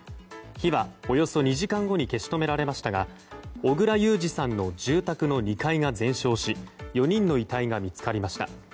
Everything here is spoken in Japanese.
火はおよそ２時間後に消し止められましたが小倉裕治さんの住宅の２階が全焼し４人の遺体が見つかりました。